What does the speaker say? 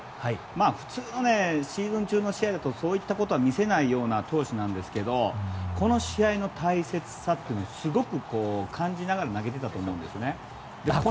普通の、シーズン中の試合だとそういったことは見せないような投手なんですけどこの試合の大切さはすごく感じながら投げていたと思うんですね。